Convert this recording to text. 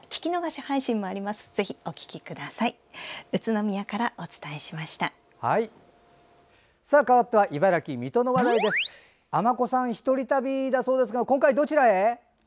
尼子さん、１人旅だそうですが今回どちらへ？